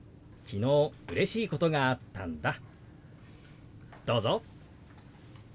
昨日うれしいことがあったんだ。